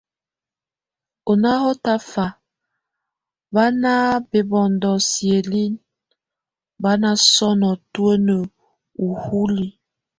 A nahɔ tafa, bá na bebombo sielin, bá na sɔŋɔ tuen uhúli.